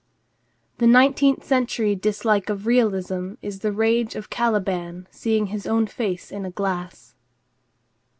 The nineteenth century dislike of realism is the rage of Caliban seeing his own face in a glass.